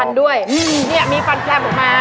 นี่มีฟันแซมออกมา